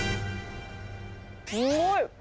すごい！